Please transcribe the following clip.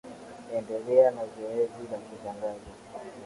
endelea na zoezi la kutangaza